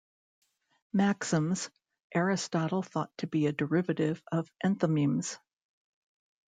Maxims, Aristotle thought to be a derivative of enthymemes.